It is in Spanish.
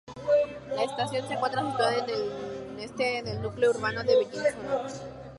La estación se encuentra situada en el este del núcleo urbano de Bellinzona.